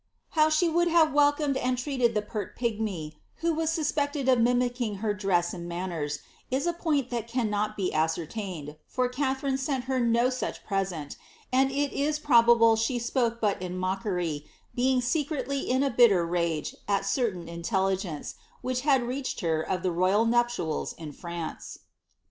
How she would have welcomed and treated the pert pigmy, who was suspected of mimicking her dress and manners, is a point that cannot be ascertained, for Catherine sent her no such pre sent, and it is probable she spoke but in mockery, being secretly in a bitter rage at certain intelligence, which had reached her of the royal iaptials in France.